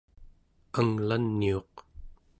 anglaniuq